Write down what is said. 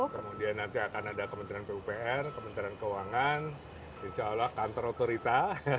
kemudian nanti akan ada kementerian pupr kementerian keuangan insya allah kantor otorita